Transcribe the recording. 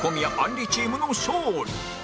りチームの勝利